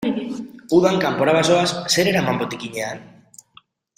Udan kanpora bazoaz, zer eraman botikinean?